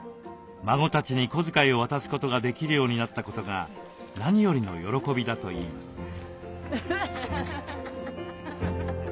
孫たちに小遣いを渡すことができるようになったことが何よりの喜びだといいます。